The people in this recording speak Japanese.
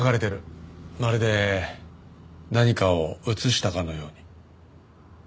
まるで何かを写したかのように。